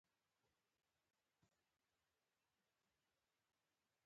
اثار، د محمد صديق پسرلي هندي سبک ته لنډه کتنه